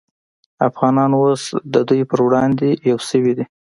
افغانان اوس د دوی پر وړاندې یو شوي دي